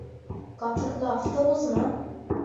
Комфортлы автобусмы?